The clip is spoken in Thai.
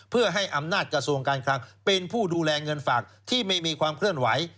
เพื่อให้อำนาจกระทรวงการคลังเป็นผู้ดูแลเงินฝากที่ไม่มีความเคลื่อนไหว